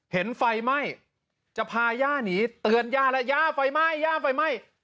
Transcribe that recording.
เห็นไฟไหม้จะพาย่าหนีเตือนย่าแล้วย่าไฟไหม้ย่าไฟไหม้